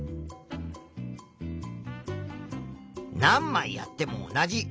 何まいやっても同じ。